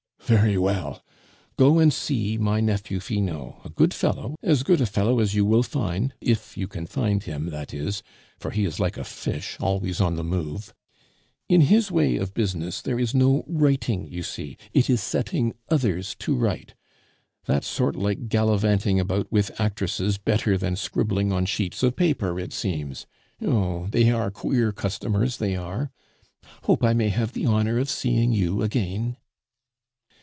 "Very well. Go and see my nephew Finot, a good fellow, as good a fellow as you will find, if you can find him, that is, for he is like a fish, always on the move. In his way of business, there is no writing, you see, it is setting others to write. That sort like gallivanting about with actresses better than scribbling on sheets of paper, it seems. Oh! they are queer customers, they are. Hope I may have the honor of seeing you again."